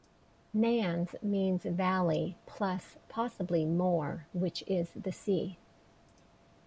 "Nans" means valley plus possibly "mor" which is the sea.